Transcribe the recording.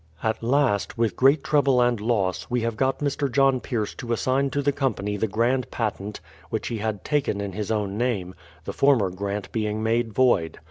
.,. At last, with great trouble and loss, we have got Mr. John Pierce to assign to the Company the grand patent, which he had taken in his own name, the former grant being made void.